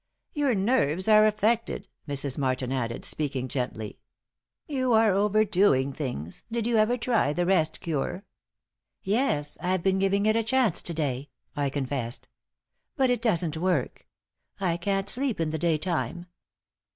"Your nerves are affected," Mrs. Martin added, speaking gently. "You are overdoing things. Did you ever try the rest cure?" "Yes. I've been giving it a chance to day," I confessed. "But it doesn't work. I can't sleep in the daytime.